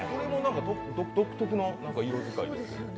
独特の色遣いですよね。